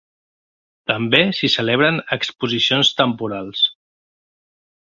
També s'hi celebren exposicions temporals.